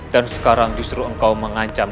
dan sekarang justru engkau mengancam